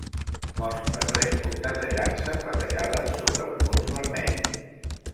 Mostra tres puntes de llança platejades sobre un fons vermell.